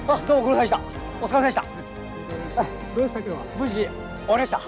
無事終わりました。